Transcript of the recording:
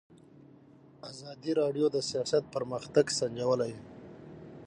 ازادي راډیو د سیاست پرمختګ سنجولی.